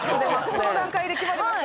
この段階で決まりました。